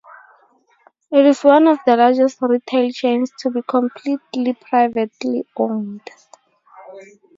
It is one of the largest retail chains to be completely privately owned.